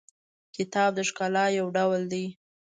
کتاب د ښکلا یو ډول دی.